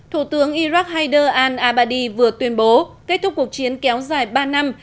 thủ tướng iraq hayder al abadi vừa tuyên bố kết thúc cuộc chiến kéo dài ba năm